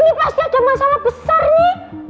ini pasti ada masalah besar nih